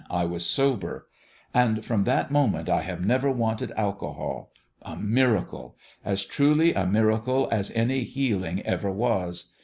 I was sober. And from that moment I have never wanted alcohol. ... A miracle as truly a miracle as any healing ever was